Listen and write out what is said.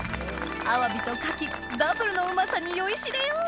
アワビと牡蠣ダブルのうまさに酔いしれよう！